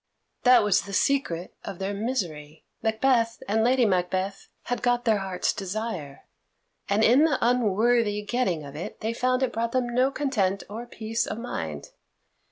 That was the secret of their misery; Macbeth and Lady Macbeth had got their heart's desire, and in the unworthy getting of it they found it brought them no content or peace of mind.